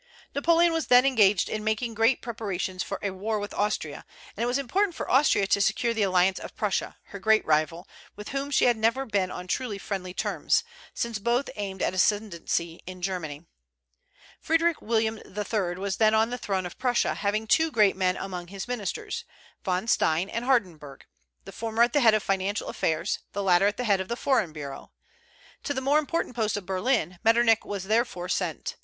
Napoleon was then engaged in making great preparations for a war with Austria, and it was important for Austria to secure the alliance of Prussia, her great rival, with whom she had never been on truly friendly terms, since both aimed at ascendency in Germany. Frederick William III. was then on the throne of Prussia, having two great men among his ministers, Von Stein and Hardenberg; the former at the head of financial affairs, and the latter at the head of the foreign bureau. To the more important post of Berlin, Metternich was therefore sent.